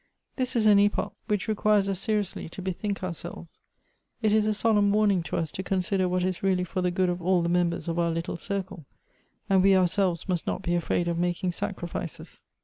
This is an epoch which requires us seriously to bethink ourselves. It is a solemn warning to us to consider what is really for the good of all the members of our little circle — and we our selves must not be afraid of making sacrifices."